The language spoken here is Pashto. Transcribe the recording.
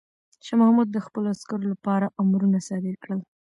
شاه محمود د خپلو عسکرو لپاره امرونه صادر کړل.